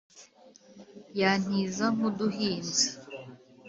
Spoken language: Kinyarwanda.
Yantiza nk’ uduhinzi !